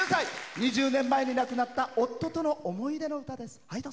２０年前に亡くなった夫との思い出の歌です。